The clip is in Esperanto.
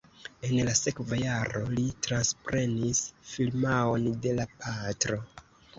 En la sekva jaro li transprenis firmaon de la patro.